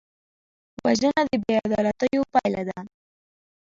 وژنه د بېعدالتیو پایله ده